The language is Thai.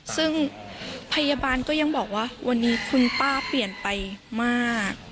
ซึ่งพยาบาลก็ยังบอกว่าวันนี้คุณป้าเปลี่ยนไปมาก